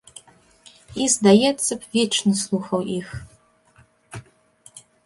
І, здаецца б, вечна слухаў іх.